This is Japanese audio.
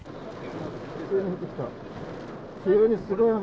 急に降ってきた。